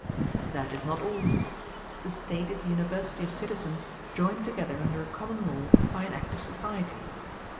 That is not all. The State is a university of citizens joined together under a common law by an act of society.